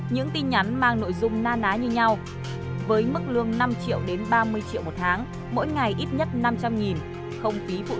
những tin nhắn mang nội dung na ná như nhau với mức lương năm triệu đến ba mươi triệu một tháng mỗi ngày ít nhất năm trăm linh nghìn không phí phụ thu công việc đơn giản làm tại nhà